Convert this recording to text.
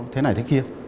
thế này thế kia